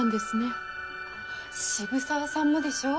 渋沢さんもでしょう？